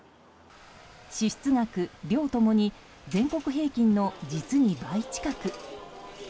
支出額・量共に全国平均の実に倍近く。